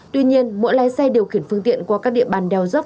tuy nhiên mỗi lé xe điều khiển phương tiện qua các địa bàn đeo dốc